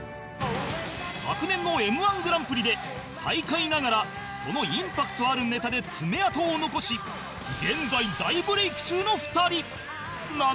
昨年の Ｍ−１ グランプリで最下位ながらそのインパクトあるネタで爪痕を残し現在大ブレイク中の２人なのだが